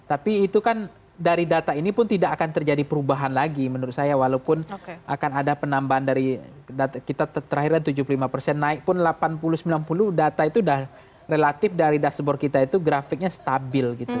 tapi itu kan dari data ini pun tidak akan terjadi perubahan lagi menurut saya walaupun akan ada penambahan dari kita terakhirnya tujuh puluh lima persen naik pun delapan puluh sembilan puluh data itu sudah relatif dari dashboard kita itu grafiknya stabil gitu